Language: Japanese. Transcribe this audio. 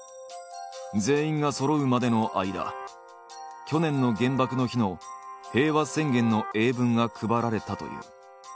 全員がそろうまでの間去年の原爆の日の平和宣言の英文が配られたという。